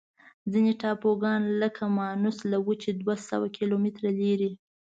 ځینې ټاپوګان لکه مانوس له وچې دوه سوه کیلومتره لري.